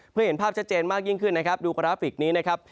เพื่อเห็นภาพชัดเจนมากยิ่งขึ้นนะครับดูกราฟิกนี้นะครับ